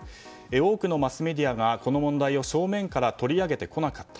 多くのマスメディアがこの問題を正面から取り上げてこなかった。